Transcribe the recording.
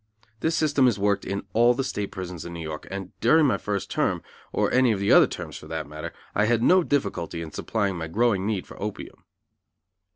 This system is worked in all the State prisons in New York, and during my first term, or any of the other terms for that matter, I had no difficulty in supplying my growing need for opium.